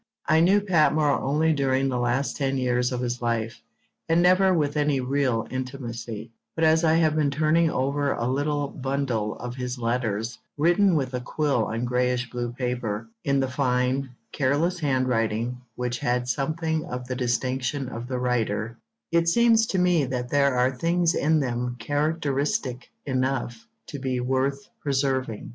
I knew Patmore only during the last ten years of his life, and never with any real intimacy; but as I have been turning over a little bundle of his letters, written with a quill on greyish blue paper, in the fine, careless handwriting which had something of the distinction of the writer, it seems to me that there are things in them characteristic enough to be worth preserving.